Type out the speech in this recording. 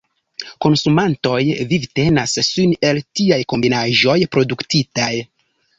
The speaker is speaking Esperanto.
Konsumantoj vivtenas sin el tiaj kombinaĵoj produktitaj.